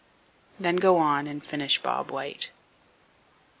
Then go on, and finish Bob White.